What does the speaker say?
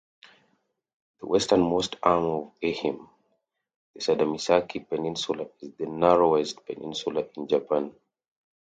The westernmost arm of Ehime, the Sadamisaki Peninsula, is the narrowest peninsula in Japan.